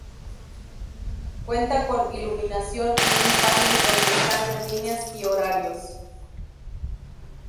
Cuenta con iluminación y un panel donde están las líneas y horarios.